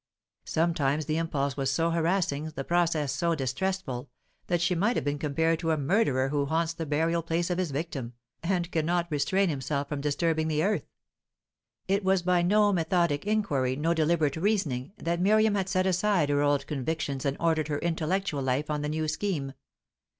Sometimes the impulse was so harassing, the process so distressful, that she might have been compared to a murderer who haunts the burial place of his victim, and cannot restrain himself from disturbing the earth. It was by no methodic inquiry, no deliberate reasoning, that Miriam had set aside her old convictions and ordered her intellectual life on the new scheme.